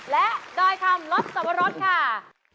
และดอยคำลบสวรสค่ะ